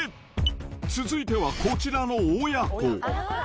続いてはこちらの親子。